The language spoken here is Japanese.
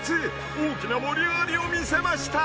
［大きな盛り上がりを見せました］